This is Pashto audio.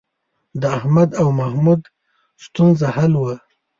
د احمد او محمود ستونزه حل وه.